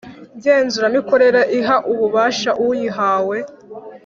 Ngenzuramikorere iha ububasha uyihawe